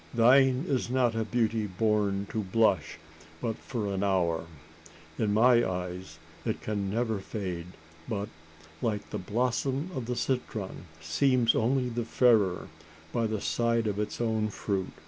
thine is not a beauty born to blush but for an hour. In my eyes, it can never fade; but, like the blossom of the citron, seems only the fairer, by the side of its own fruit!